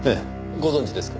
ご存じですか？